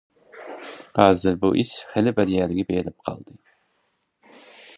ھازىر بۇ ئىش خېلى بىر يەرگە بېرىپ قالدى.